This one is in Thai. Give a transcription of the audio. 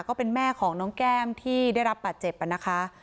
ก็เป็นแม่ของน้องแก้มที่ได้รับบาดเจ็บนะคะ